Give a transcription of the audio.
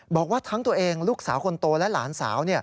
บอกว่าทั้งตัวเองลูกสาวคนโตและหลานสาว